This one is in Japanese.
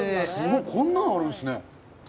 こんなにあるんですね。